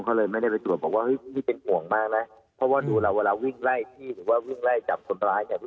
เพราะว่าดูเราเวลาวิ่งไล่ที่หรือว่าวิ่งไล่จับคนพลาย